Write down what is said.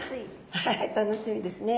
はい楽しみですね！